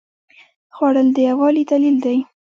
خوړل د یووالي دلیل دی